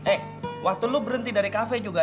eh waktu lu berhenti dari kafe juga